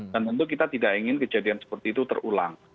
dan tentu kita tidak ingin kejadian seperti itu terulang